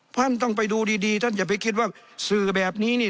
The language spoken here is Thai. ท่านต้องไปดูดีท่านอย่าไปคิดว่าสื่อแบบนี้นี่